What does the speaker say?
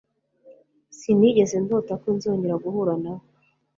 Sinigeze ndota ko nzongera guhura nawe.